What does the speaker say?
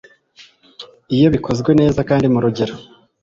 Iyo bikozwe neza kandi mu rugero